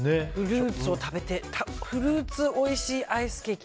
フルーツおいしいアイスケーキ。